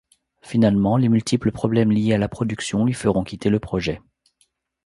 Finalement les multiples problèmes liés à la production lui feront quitter le projet.